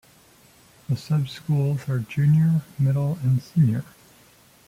The sub-schools are Junior, Middle and Senior.